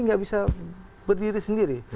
tidak bisa berdiri sendiri